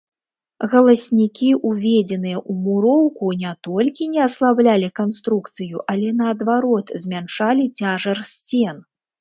Галаснікі, уведзеныя ў муроўку, не толькі не аслаблялі канструкцыю, але наадварот, змяншалі цяжар сцен.